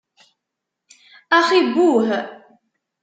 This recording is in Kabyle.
Axi buh!